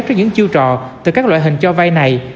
trước những chiêu trò từ các loại hình cho vay này